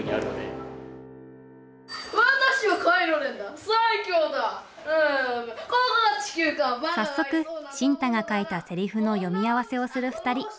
早速新太が書いたせりふの読み合わせをする２人。